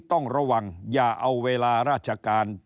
ต้องระวังอย่าเอาเวลาราชการ